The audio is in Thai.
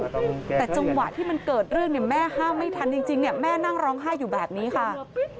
แต่จังหวะที่มันเกิดเรื่องเนี่ยแม่ห้ามไม่ทันจริงเนี่ยแม่นั่งร้องไห้อยู่แบบนี้ค่ะ